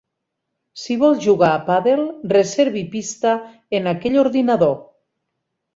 Si vol jugar a pàdel, reservi pista en aquell ordinador.